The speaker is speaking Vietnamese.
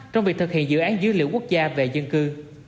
trong việc thực hiện dự án dữ liệu quốc gia về dân cư